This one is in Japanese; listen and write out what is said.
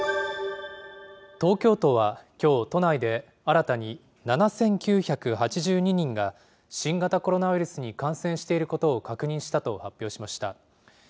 東京都はきょう、都内で新たに７９８２人が、新型コロナウイルスに感染していることを確認したと発表しました。